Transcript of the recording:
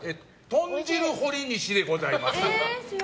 豚汁ほりにしでございます。